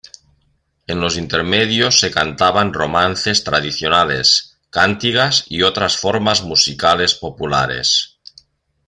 En los intermedios se cantaban romances tradicionales, cantigas y otras formas musicales populares.